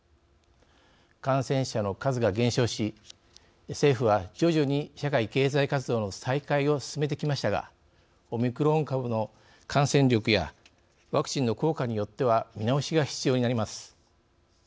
感染者の数が減少し、政府は徐々に社会経済活動の再開を進めてきましたがオミクロン株の感染力やワクチンの効果によっては見直しが必要になります。